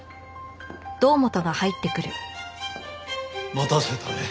待たせたね。